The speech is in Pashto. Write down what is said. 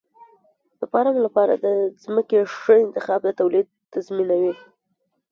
د فارم لپاره د ځمکې ښه انتخاب د تولید تضمینوي.